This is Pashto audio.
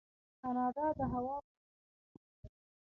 کاناډا د هوا فضا صنعت لري.